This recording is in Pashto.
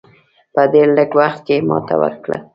په ډېر لږ وخت کې ماته ورکړه.